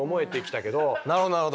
なるほどなるほど。